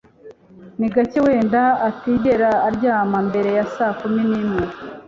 Ni gake wenda atigera aryama mbere ya saa kumi nimwe